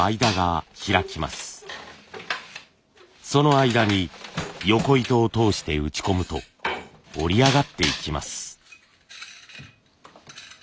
その間によこ糸を通して打ち込むと織り上がっていきます。